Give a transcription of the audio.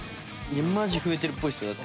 マジ増えてるっぽいっすよ。